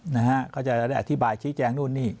นะฮะโดยจะเรียกอธิบายชิ้นแจงนู่นนี่